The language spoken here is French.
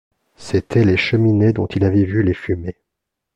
C’étaient les cheminées dont il avait vu les fumées.